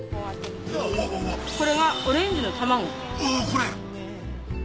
これがオレンジの卵・わぁこれ？